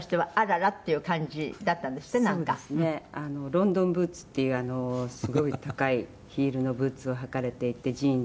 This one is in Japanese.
ロンドンブーツっていうすごい高いヒールのブーツを履かれていてジーンズで。